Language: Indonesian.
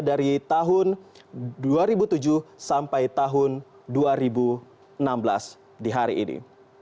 dari tahun dua ribu tujuh sampai tahun dua ribu enam belas di hari ini